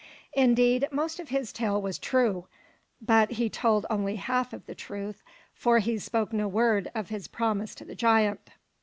Indeed, most of his tale was true, but he told only half of the truth; for he spoke no word of his promise to the giant.